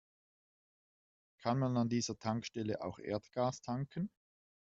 Kann man an dieser Tankstelle auch Erdgas tanken?